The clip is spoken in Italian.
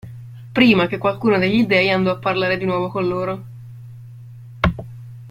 Prima che qualcuno degli dei andò a parlare di nuovo con loro.